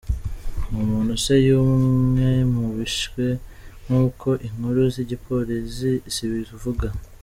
Uwo muntu ni se y'umwe mu bishwe nk'uko inkuru z'igipolizi zibivuga.